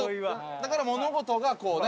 だから物事がこうね。